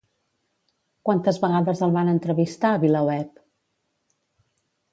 Quantes vegades el van entrevistar, Vilaweb?